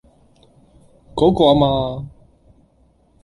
嗰個啊嘛？